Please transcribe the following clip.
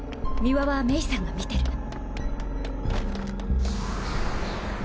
三輪は冥さんが見てる。